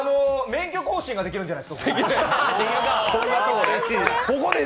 免許更新ができるんじゃないですか、ここで？